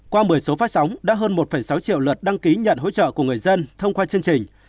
qua một mươi số phát sóng đã hơn một sáu triệu lượt đăng ký nhận hỗ trợ của người dân thông qua chương trình